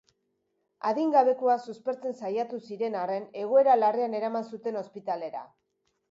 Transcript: Adingabekoa suspertzen saiatu ziren arren, egoera larrian eraman zuten ospitalera.